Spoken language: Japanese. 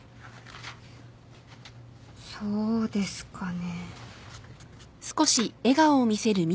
そうですかね。